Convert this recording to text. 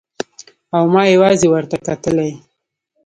او ما يوازې ورته کتلای.